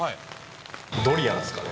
ドリアンですかね。